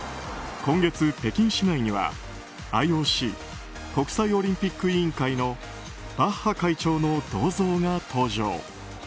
今月北京市内には、ＩＯＣ・国際オリンピック委員会のバッハ会長の銅像が登場。